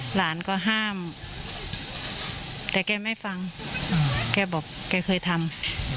หลานก็ห้ามแต่แกไม่ฟังแกบอกแกเคยทำ